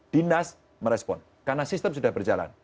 dinas merespon karena sistem sudah berjalan